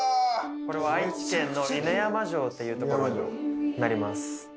これは愛知県の犬山城っていう所になります。